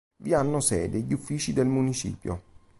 Vi hanno sede gli uffici del municipio.